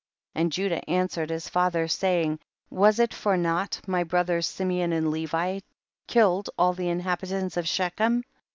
52. And Judah answered his fa ther, saying, was it for nought my brothers Simeon and Levi killed all the inhabitants of Shechem